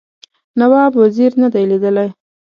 نواب وزیر نه دی لیدلی.